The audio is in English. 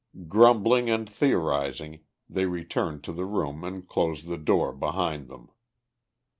Grumbling and theorising, they returned to the room and closed the door behind them.